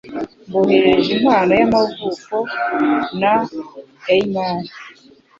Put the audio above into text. Mboherereje impano y'amavuko na airmail.